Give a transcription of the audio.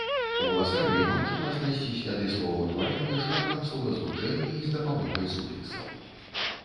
У гласарыі магчыма знайсці сляды словаўтварэння шляхам словазлучэння і з дапамогай суфіксаў.